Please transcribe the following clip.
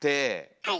はい。